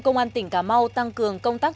công an tỉnh cà mau tăng cường công tác